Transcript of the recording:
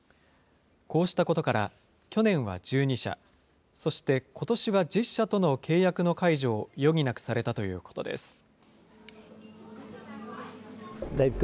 こうしたことから去年は１２社、そして、ことしは１０社との契約の解除を余儀なくされたということです。